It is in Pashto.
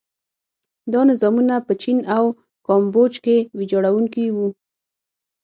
دا نظامونه په چین او کامبوج کې ویجاړوونکي وو.